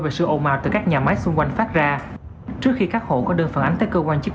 và sự ồn mào từ các nhà máy xung quanh phát ra trước khi các hộ có đơn phản ánh tới cơ quan chức